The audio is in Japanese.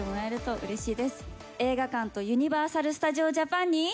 映画館とユニバーサル・スタジオ・ジャパンに。